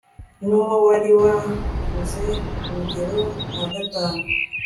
n'uwo wari wavuze urugero nka gatanu